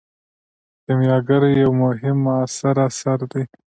کیمیاګر یو مهم معاصر اثر دی.